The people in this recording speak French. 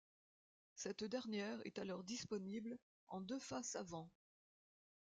Cette dernière est alors disponible en deux faces avant.